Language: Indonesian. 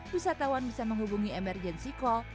wisatawan bisa menghubungi emergency call